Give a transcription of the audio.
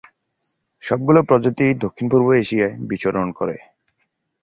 সবগুলো প্রজাতিই দক্ষিণ-পূর্ব এশিয়ায় বিচরণ করে।